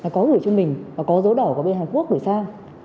có gửi cho mình và có dấu đỏ của bên hàn quốc gửi sang